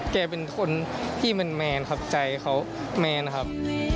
แกเป็นคนที่แมนครับใจเขาแมนครับ